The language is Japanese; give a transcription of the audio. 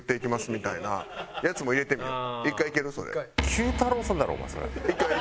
Ｑ太郎さんだろお前それ。